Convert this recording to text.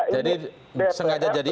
jadi sengaja jadi